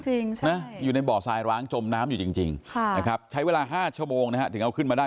จริงใช่อยู่ในเบาะทรายร้างจมน้ำอยู่จริงใช้เวลา๕ชั่วโมงถึงเอาขึ้นมาได้